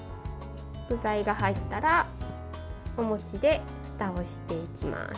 具材が入ったらおもちでふたをしていきます。